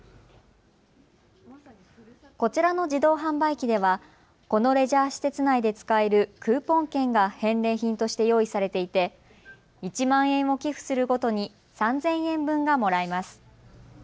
こちらの自動販売機ではこのレジャー施設内で使えるクーポン券が返礼品として用意されていて１万円を寄付するごとに３０００円分がもらえます。